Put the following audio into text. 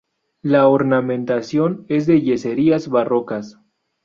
La ornamentación es de yeserías barrocas.